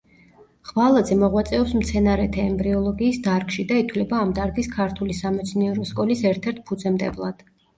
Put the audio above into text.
ღვალაძე მოღვაწეობს მცენარეთა ემბრიოლოგიის დარგში და ითვლება ამ დარგის ქართული სამეცნიერო სკოლის ერთ-ერთ ფუძემდებლად.